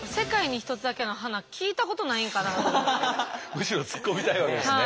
むしろツッコみたいわけですね。